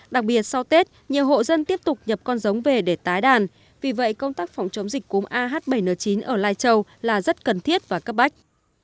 đặc biệt sau tết nhiều hộ dân tiếp tục nhập con giống về để tái đàn vì vậy công tác phòng chống dịch cúm ah bảy n chín ở lai châu là rất cần thiết và cấp bách